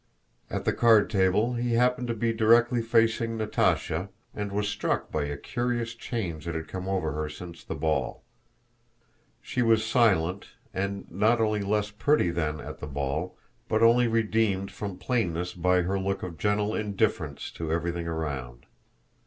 At the card table he happened to be directly facing Natásha, and was struck by a curious change that had come over her since the ball. She was silent, and not only less pretty than at the ball, but only redeemed from plainness by her look of gentle indifference to everything around.